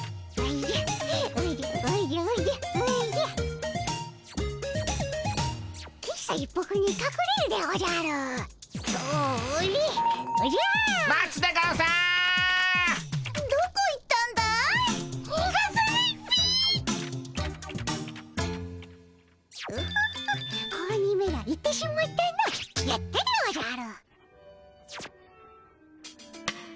やったでおじゃる。